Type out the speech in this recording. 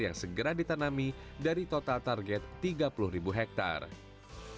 yang segera ditanami dari total target tiga puluh ribu hektare